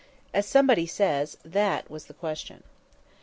As somebody says, that was the question.